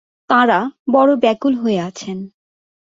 তাঁরা বড়ো ব্যাকুল হয়ে আছেন।